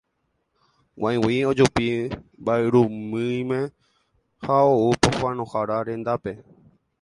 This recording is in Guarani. g̃uaig̃ui ojupi mba'yrumýime ha ou pohãnohára rendápe